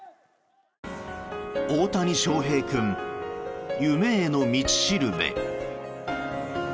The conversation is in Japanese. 「大谷翔平君夢への道しるべ」。